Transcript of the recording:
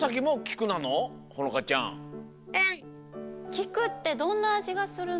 きくってどんなあじがするの？